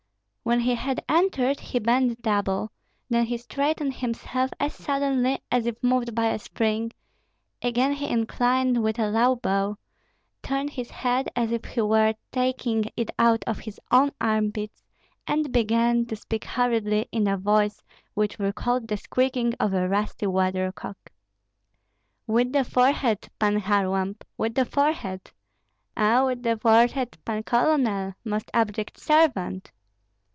When he had entered he bent double, then he straightened himself as suddenly as if moved by a spring, again he inclined with a low bow, turned his head as if he were taking it out of his own armpits, and began to speak hurriedly in a voice which recalled the squeaking of a rusty weather cock, "With the forehead, Pan Kharlamp, with the forehead. Ah! with the forehead, Pan Colonel, most abject servant!"